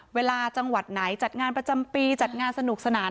เวลาจังหวัดไหนจัดงานประจำปีจัดงานสนุกสนาน